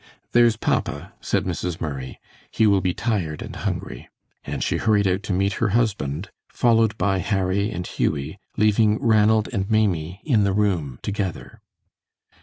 "There's papa," said Mrs. Murray. "He will be tired and hungry," and she hurried out to meet her husband, followed by Harry and Hughie, leaving Ranald and Maimie in the room together.